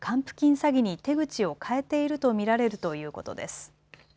詐欺に手口を変えていると見られるということです。